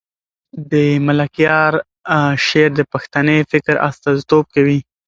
د ملکیار شعر د پښتني فکر استازیتوب کوي.